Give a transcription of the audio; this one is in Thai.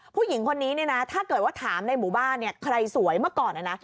ผู้หญิงคนนี้ถ้าเกิดว่าถามในหมู่บ้านใครสวยเมื่อก่อน